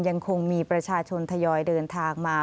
ยังคงมีประชาชนทยอยเดินทางมา